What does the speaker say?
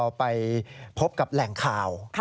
ไปพบกับแหล่งข่าว